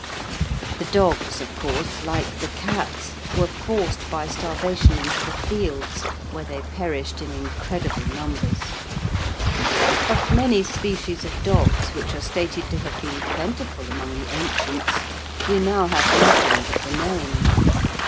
The dogs, of course, like the cats, were forced by starvation into the fields, where they perished in incredible numbers. Of many species of dogs which are stated to have been plentiful among the ancients, we have now nothing but the name.